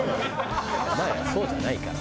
お前らそうじゃないから。